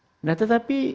oke nah tetapi